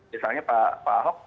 misalnya pak ahok